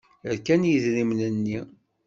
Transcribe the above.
Rkan yidrimen-nni.